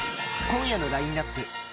今夜のラインナップ。